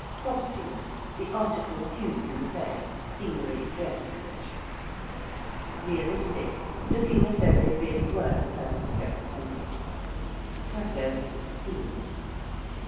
~properties~: the articles used in the play, scenery, dress, &c. ~realistic~: looking as though they really were the persons represented. ~tableau~: scene.